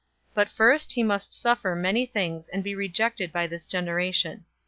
017:025 But first, he must suffer many things and be rejected by this generation.